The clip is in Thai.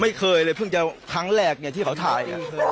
ไม่เคยเลยเพิ่งจะครั้งแรกเนี่ยที่เขาถ่าย